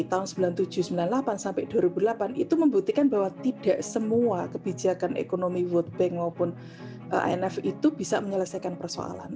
tahun seribu sembilan ratus sembilan puluh tujuh sembilan puluh delapan sampai dua ribu delapan itu membuktikan bahwa tidak semua kebijakan ekonomi world bank maupun imf itu bisa menyelesaikan persoalan